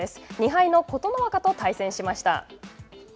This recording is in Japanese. ２敗の琴ノ若と対戦しました。